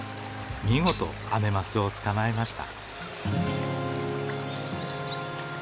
見事アメマスを捕まえました。